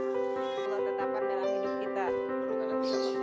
aduh agak tiba tiba pintunya straight back vorne milipun tuh